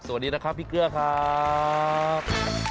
สวัสดีนะครับพี่เกลือครับ